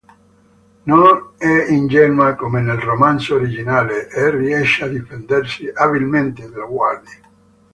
Non è ingenua come nel romanzo originale e riesce a difendersi abilmente dalle guardie.